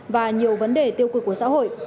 và nhiều vấn đề tiêu cực của xã hội